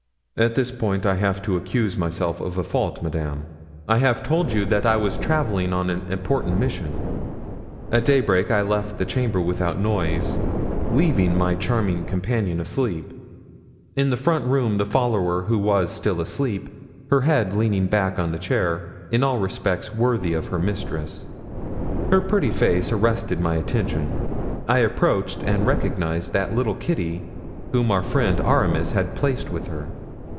"At this point I have to accuse myself of a fault, madame. I have told you that I was traveling on an important mission. At daybreak I left the chamber without noise, leaving my charming companion asleep. In the front room the follower was also still asleep, her head leaning back on the chair, in all respects worthy of her mistress. Her pretty face arrested my attention; I approached and recognized that little Kitty whom our friend Aramis had placed with her.